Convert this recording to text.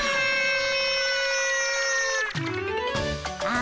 あ！